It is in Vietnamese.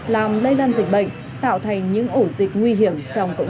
làm lây lan dịch bệnh tạo thành những ổ dịch nguy hiểm trong cộng đồng